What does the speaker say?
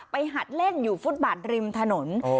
ไปหัดเล่น